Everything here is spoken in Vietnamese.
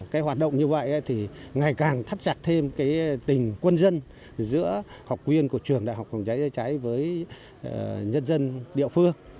cái hoạt động như vậy thì ngày càng thắt chặt thêm tình quân dân giữa học viên của trường đại học hồng cháy với nhân dân địa phương